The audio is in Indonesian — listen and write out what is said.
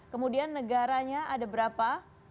kemudian negaranya ada berapa